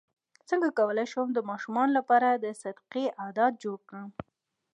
څنګه کولی شم د ماشومانو لپاره د صدقې عادت جوړ کړم